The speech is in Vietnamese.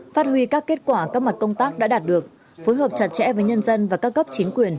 phát huy các kết quả các mặt công tác đã đạt được phối hợp chặt chẽ với nhân dân và các cấp chính quyền